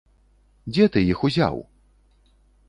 Дзе ты іх узяў?